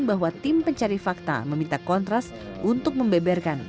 bahwa tim pencari fakta meminta kontras untuk membeberkan